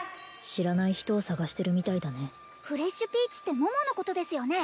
知らない人を捜してるみたいだねフレッシュピーチって桃のことですよね？